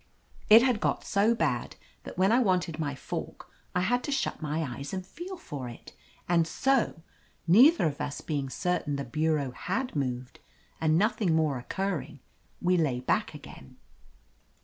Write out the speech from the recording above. It had got so bad that when I wanted my fork I had to 260 OF LETITIA CARBERRY shut my eyes and feel for it. And so, neither of us being certain the bureau had moved, and nothing more occurring, we lay back again.